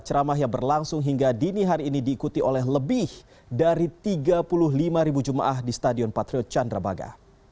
ceramah yang berlangsung hingga dini hari ini diikuti oleh lebih dari tiga puluh lima jemaah di stadion patriot candrabaga